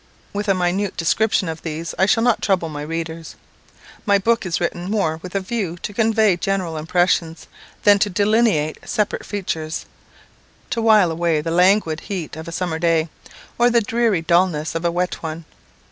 With a minute description of these I shall not trouble my readers. My book is written more with a view to convey general impressions, than to delineate separate features, to while away the languid heat of a summer day, or the dreary dulness of a wet one.